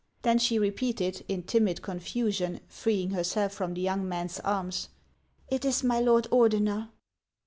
Then she repeated, in timid confusion, freeing herself from the young man's arms, " It is my lord Ordener."